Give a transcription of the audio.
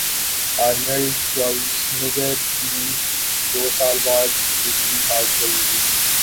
Arnold Schwarzenegger کی دو سال بعد دوسری ہارٹ سرجری